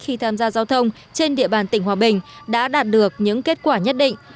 khi tham gia giao thông trên địa bàn tỉnh hòa bình đã đạt được những kết quả nhất định